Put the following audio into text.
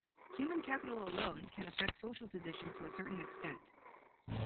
Human capital alone can affect social position to a certain extent.